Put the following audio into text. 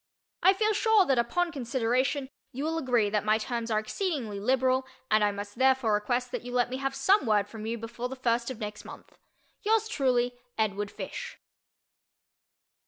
I feel sure that upon consideration you will agree that my terms are exceedingly liberal and I must therefore request that you let me have some word from you before the first of next month. Yours truly, EDWARD FISH.